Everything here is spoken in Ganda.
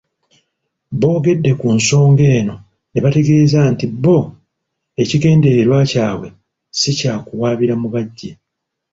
Boogedde ku nsonga eno ne bategeeza nti bo ekigendererwa kyabwe si kyakuwaabira Mubajje .